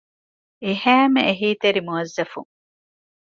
އެހައިމެ އެހީތެރި މުވައްޒަފުން